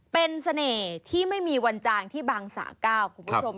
เป็นเสน่ห์ที่ไม่มีวันจานที่บางสะเก้าคุณผู้ชม